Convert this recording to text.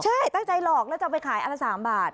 ใช่ตั้งใจหลอกแล้วจะเอาไปขายอันละ๓บาท